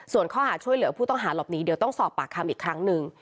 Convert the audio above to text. ส่วนข้อหาช่วยเหลือผู้ต้องหาหลบหนีเดี๋ยวต้องสอบปากคำอีกครั้งหนึ่ง